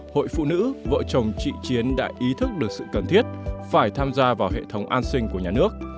hội phụ nữ vợ chồng chị chiến đã ý thức được sự cần thiết phải tham gia vào hệ thống an sinh của nhà nước